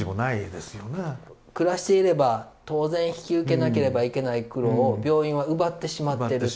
暮らしていれば当然引き受けなければいけない苦労を病院は奪ってしまってる。